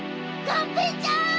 がんぺーちゃん！